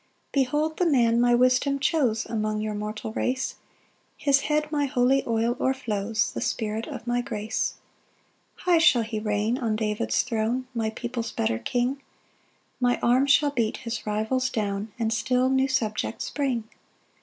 2 "Behold the man my wisdom chose "Among your mortal race; "His head my holy oil o'erflows, "The Spirit of my grace. 3 "High shall he reign on David's throne, "My people's better King; "My arm shall beat his rivals down, "And still new subjects bring.